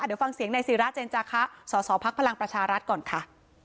เดี๋ยวฟังเสียงในศิราเจนจาคะสสพลังประชารัฐก่อนค่ะ